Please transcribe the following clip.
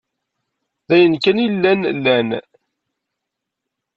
D ayen kan ay llan lan.